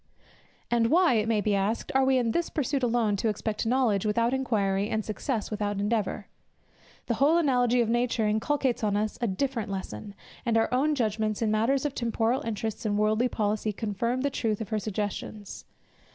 And why, it may be asked, are we in this pursuit alone to expect knowledge without inquiry, and success without endeavour? The whole analogy of nature inculcates on us a different lesson, and our own judgments in matters of temporal interests and worldly policy confirm the truth of her suggestions.